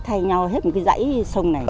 thay nhau hết một cái dãy sông này